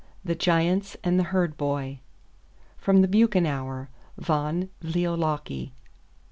THE GIANTS AND THE HERD BOY(12) (12) From the Bukowniaer. Von Wliolocki.